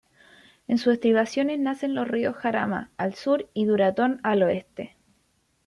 En sus estribaciones nacen los ríos Jarama, al sur, y Duratón, al oeste.